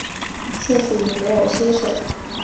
现属于梅尔辛省。